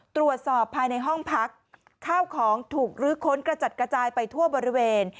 ตรวจสอบภายในห้องพักข้าวของถูกลื้อค้นกระจัดกระจายไปทั่วบริเวณ